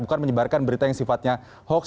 bukan menyebarkan berita yang sifatnya hoax